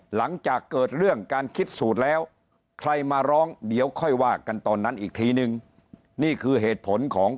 หลังจากเกิดเรื่องการคิดสูตรแล้วใครมาร้องเดี๋ยวค่อยว่ากันตอนนั้นอีกทีนึงนี่คือเหตุผลของ